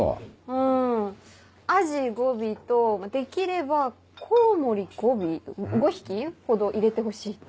うんアジ５尾とできればコウモリ５尾５匹ほど入れてほしいって。